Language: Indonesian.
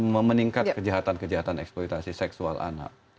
memeningkat kejahatan kejahatan eksploitasi seksual anak